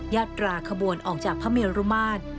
ญาตราขบวนออกจากพระเมรุมาตร